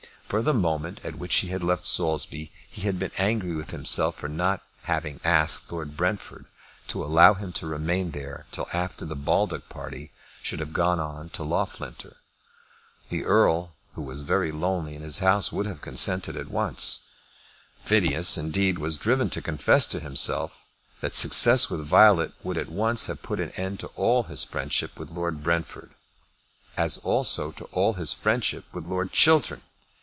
From the moment at which he had left Saulsby he had been angry with himself for not having asked Lord Brentford to allow him to remain there till after the Baldock party should have gone on to Loughlinter. The Earl, who was very lonely in his house, would have consented at once. Phineas, indeed, was driven to confess to himself that success with Violet would at once have put an end to all his friendship with Lord Brentford; as also to all his friendship with Lord Chiltern.